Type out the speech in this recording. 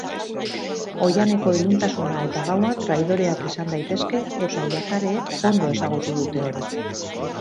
Oihaneko iluntasuna eta gaua traidoreak izan daizteke eta yacareek ondo ezagutu dute hori.